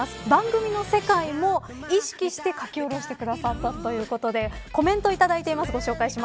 番組の世界も意識して描き下ろしてくださったということでコメントをいただいています。